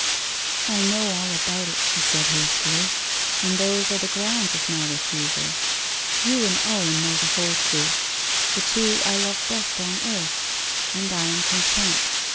'I know all about it,' she said hastily; 'and those are the grounds of my refusal. You and Owen know the whole truth the two I love best on earth and I am content.